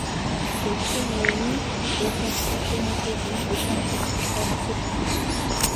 Зөвлөлтийн үеийн ретро автомашинуудыг энд эргэн ашиглаж болохоор нөхцөлд хадгалдаг.